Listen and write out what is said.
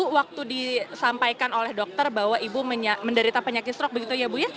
waktu disampaikan oleh dokter bahwa ibu menderita penyakit strok begitu ya bu ya